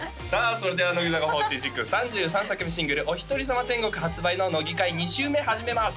それでは乃木坂４６３３作目シングル「おひとりさま天国」発売の乃木回２週目始めます！